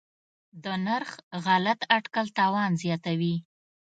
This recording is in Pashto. د نرخ غلط اټکل تاوان زیاتوي.